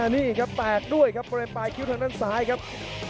นี่ครับแตกด้วยครับบริเวณปลายคิ้วทางด้านซ้ายครับ